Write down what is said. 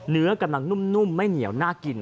เนื้อกำลังนุ่มไม่เหนียวน่ากิน